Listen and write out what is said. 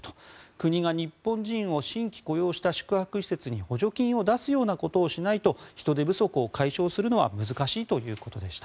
国が日本人を新規雇用した宿泊施設に補助金を出すようなことをしないと人手不足を解消するのは難しいということでした。